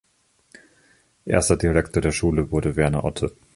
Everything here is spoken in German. Erster Direktor der Schule wurde "Werner Otte".